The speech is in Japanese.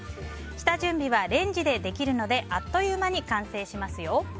下準備はレンジでできるのであっという間に完成しますよ。